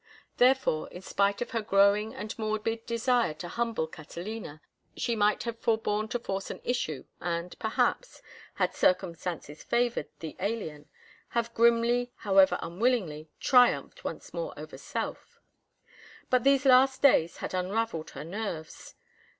Therefore, in spite of her growing and morbid desire to humble Catalina, she might have forborne to force an issue, and perhaps, had circumstances favored the alien, have grimly, however unwillingly, triumphed once more over self. But these last days had unravelled her nerves.